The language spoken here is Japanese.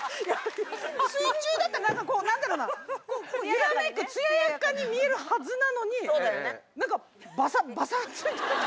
水中だったらなんかこう何だろうな揺らめくつややかに見えるはずなのになんかバサついて。